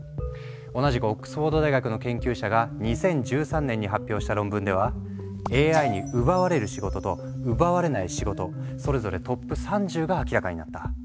同じくオックスフォード大学の研究者が２０１３年に発表した論文ではＡＩに奪われる仕事と奪われない仕事それぞれトップ３０が明らかになった。